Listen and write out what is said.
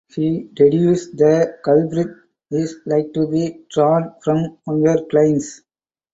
He deduces the culprit is like to be drawn from one her clients.